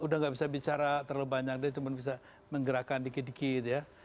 udah nggak bisa bicara terlalu banyak dia cuma bisa menggerakkan dikit dikit ya